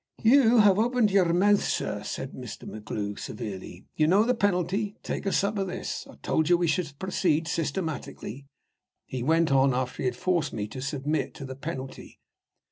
"You have opened your mouth, sir!" cried Mr. MacGlue, severely. "You know the penalty take a sup of this. I told you we should proceed systematically," he went on, after he had forced me to submit to the penalty.